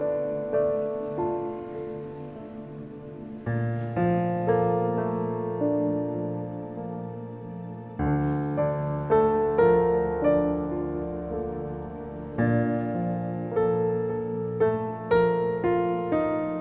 tapi itu siap biar m traffic